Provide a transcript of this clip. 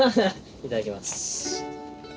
いただきます。